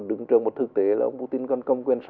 đứng trường một thực tế là ông putin còn công quyền